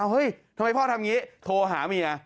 เออทำไมพ่อทำนี้โทรหาเมีย